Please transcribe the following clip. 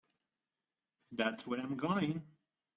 That's where I'm going.